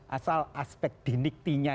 asal aspek diniktinya